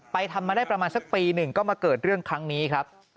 ทำมาได้ประมาณสักปีหนึ่งก็มาเกิดเรื่องครั้งนี้ครับ